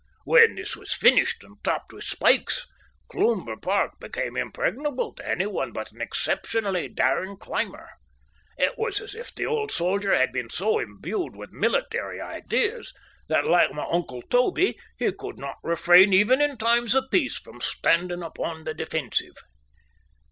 When this was finished and topped with spikes, Cloomber Park became impregnable to any one but an exceptionally daring climber. It was as if the old soldier had been so imbued with military ideas that, like my Uncle Toby, he could not refrain even in times of peace from standing upon the defensive.